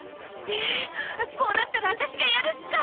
えっこうなったらワタシがやるしか！